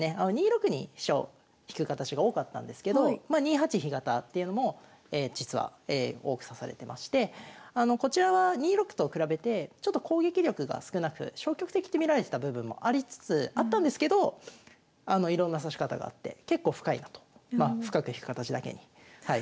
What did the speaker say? ２六に飛車を引く形が多かったんですけどま２八飛型っていうのも実は多く指されてましてこちらは２六と比べてちょっと攻撃力が少なく消極的に見られてた部分もありつつあったんですけどいろんな指し方があって結構深いなと。